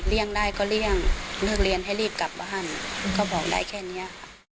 ได้ก็เลี่ยงเลิกเรียนให้รีบกลับบ้านก็บอกได้แค่นี้ค่ะ